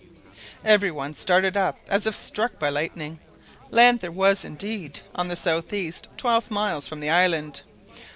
Every one started up as if struck by lightning. Land there was indeed, on the south east, twelve miles from the island.